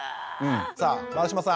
さあ丸島さん